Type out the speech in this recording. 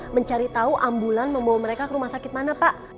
mencari tahu ambulan membawa mereka ke rumah sakit mana pak